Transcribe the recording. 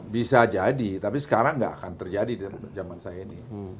bisa jadi tapi sekarang nggak akan terjadi di zaman saya ini